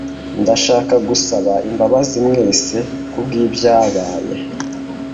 Ndashaka gusaba imbabazi mwese kubwibyabaye.